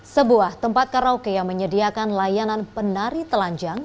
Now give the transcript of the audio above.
sebuah tempat karaoke yang menyediakan layanan penari telanjang